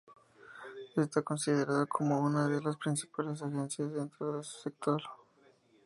Está considerada como una de las principales agencias dentro de su sector.